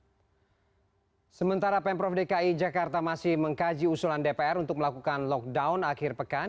hai sementara pemprov dki jakarta masih mengkaji usulan dpr untuk melakukan lockdown akhir pekan